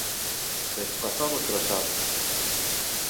Беҙ ҡасан осрашабыҙ?